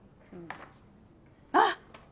あっ！